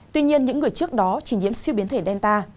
tuy nhiên những người trước đó chỉ nhiễm siêu biến thể delta